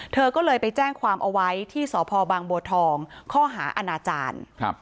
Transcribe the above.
เธอก็เลยไปแจ้งความเอาไว้ที่สพบางบัวทองข้อหาอาณาจารย์